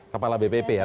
kepala bpip ya